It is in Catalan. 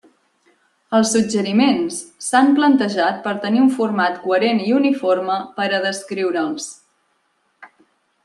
Els suggeriments s'han plantejat per tenir un format coherent i uniforme per a descriure'ls.